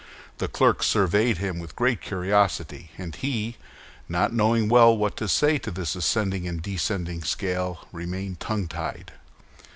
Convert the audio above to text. The clerks surveyed him with great curiosity, and he, not knowing well what to say to this ascending and descending scale, remained tongue tied.